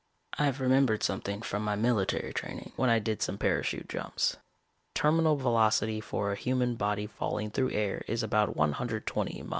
I've remembered something from my military training, when I did some parachute jumps. Terminal velocity for a human body falling through air is about one hundred twenty m.p.